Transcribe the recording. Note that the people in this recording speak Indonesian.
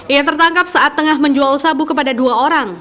ia tertangkap saat tengah menjual sabu kepada dua orang